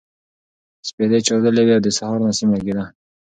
سپېدې چاودلې وې او د سهار نسیم لګېده.